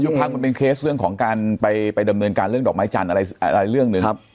พักมันเป็นเคสเรื่องของการไปดำเนินการเรื่องดอกไม้จันทร์อะไรเรื่องหนึ่ง